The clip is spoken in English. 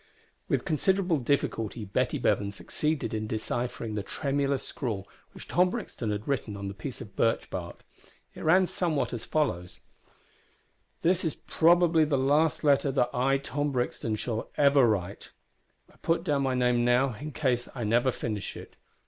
With considerable difficulty Betty Bevan succeeded in deciphering the tremulous scrawl which Tom Brixton had written on the piece of birch bark. It ran somewhat as follows: "This is probably the last letter that I, Tom Brixton, shall ever write. (I put down my name now, in case I never finish it.)